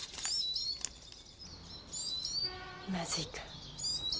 まずいか。